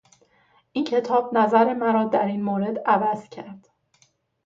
این کتاب نظر مرا در این مورد عوض کرد.